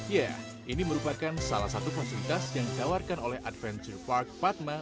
ya ini merupakan salah satu fasilitas yang ditawarkan oleh adventure park platma